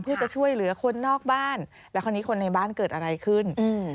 เพื่อจะช่วยเหลือคนนอกบ้านแล้วคราวนี้คนในบ้านเกิดอะไรขึ้น